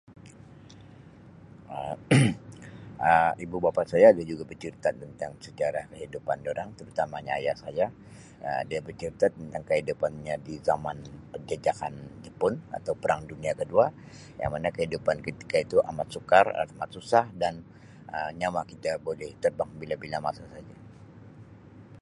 Um Um Ibu-bapa saya ada juga becerita tentang sejarah kehidupan dorang terutamanya ayah saya Um dia becerita tentang kehidupan nya di zaman penjajahan jepun atau perang dunia kedua yang mana kehidupan ketika itu amat sukar amat susah dan Um nyawa kita buli terbang bila bila masa saja.